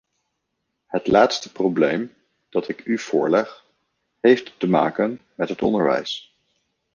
Het laatste probleem dat ik u voorleg, heeft te maken met het onderwijs.